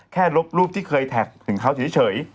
ลบรูปที่เคยแท็กถึงเขาเฉย